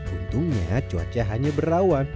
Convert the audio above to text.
untungnya cuaca hanya berawan